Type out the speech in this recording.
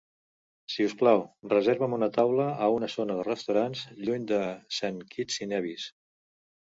Si us plau, reserva'm una taula a una zona de restaurants lluny de Saint Kitts i Nevis.